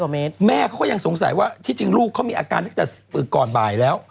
เมตรแม่เขาก็ยังสงสัยว่าที่จริงลูกเขามีอาการตั้งแต่ก่อนบ่ายแล้ว